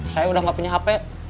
saya udah gak punya hp